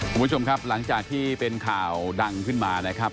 คุณผู้ชมครับหลังจากที่เป็นข่าวดังขึ้นมานะครับ